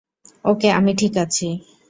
ওকে, আমি ঠিক আছি!